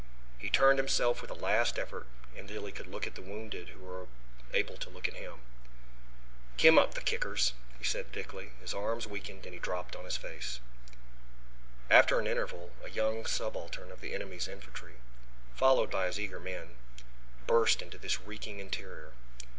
He turned himself with a last effort until he could look at the wounded who were able to look at him. "Kim up, the Kickers," he said thickly. His arms weakened and he dropped on his face. After an interval a young subaltern of the enemy's infantry, followed by his eager men, burst into this reeking interior.